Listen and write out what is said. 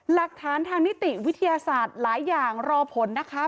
หลักฐานทางนิติวิทยาศาสตร์หลายอย่างรอผลนะคะ